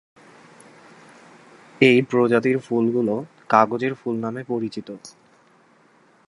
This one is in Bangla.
এ প্রজাতির ফুলগুলো "কাগজের ফুল" নামে পরিচিত।